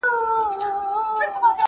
ایا تا نن سبا کوم نوی کار پیل کړی دی؟